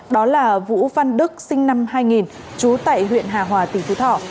đó là vũ văn đức sinh năm hai nghìn trú tại huyện hà hòa tỉnh phú thọ